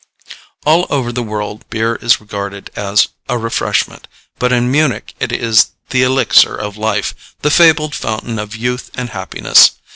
All over the world beer is regarded as a refreshment, but in Munich it is the elixir of life, the fabled fountain of youth and happiness.